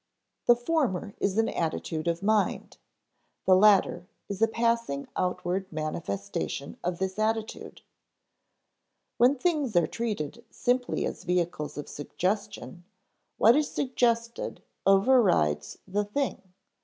The former is an attitude of mind; the latter is a passing outward manifestation of this attitude. When things are treated simply as vehicles of suggestion, what is suggested overrides the thing.